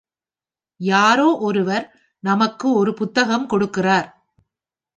யாரோ ஒருவர் நமக்கு ஒரு புத்தகம் கொடுக்கிறார்.